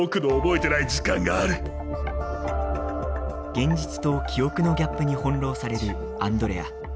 現実と記憶のギャップに翻弄されるアンドレア。